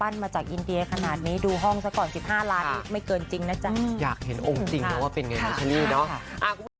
อยากเห็นองค์จริงแล้วว่าเป็นไงนะคนนี้เนาะ